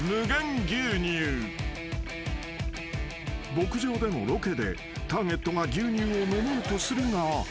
［牧場でのロケでターゲットが牛乳を飲もうとするが］